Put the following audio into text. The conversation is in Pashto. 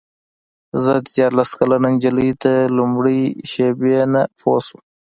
زه دیارلس کلنه نجلۍ د لومړۍ شېبې نه پوه شوم.